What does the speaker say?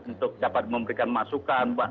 untuk dapat memberikan masukan